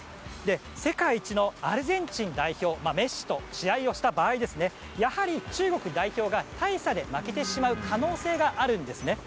世界一のアルゼンチン代表メッシと試合をした場合やはり中国代表が大差で負けてしまう可能性があるんですね。